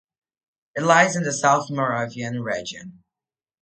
It lies in the South Moravian Region.